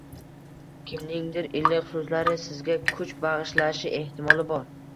Kimningdir iliq so‘zlari sizga kuch bag‘ishlashi ehtimoli bor.